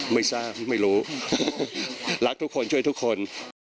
ไม่ทราบไม่รู้รักทุกคนช่วยทุกคน